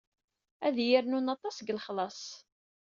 Ad iyi-rnun aṭas deg lexlaṣ.